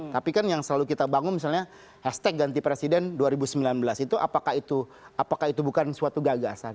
tapi kan yang selalu kita bangun misalnya hashtag ganti presiden dua ribu sembilan belas itu apakah itu bukan suatu gagasan